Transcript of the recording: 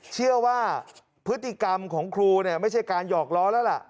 เชื่อว่าพฤติกรรมของครูเนี่ยไม่ใช่การหอกล้อแล้วล่ะ